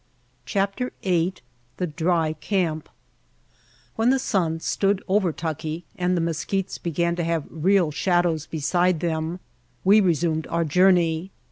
VIII The Dry Camp WHEN the sun stood over Tucki and the mesquites began to have real shadows beside them we resumed our journey.